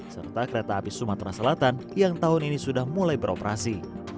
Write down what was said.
serta kereta api sumatera selatan yang tahun ini sudah mulai beroperasi